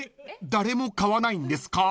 誰も買わないんですか？］